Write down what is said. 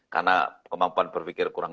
karena kemampuan berpikir kurang